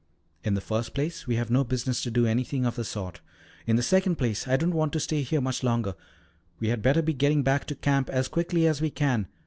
"In the first place we have no business to do anything of the sort. In the second place I don't want to stay here much longer. We had better be getting back to camp as quickly as we can.